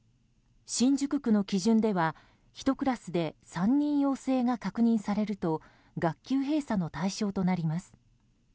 新宿区の基準では１クラスで３人陽性が確認されると学級閉鎖の対象となります。